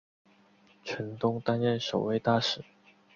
陈东担任首位大使。